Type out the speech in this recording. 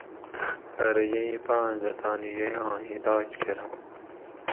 ارو یہ ایں پاۤنس دہ تانی ییاں علاج کۤرم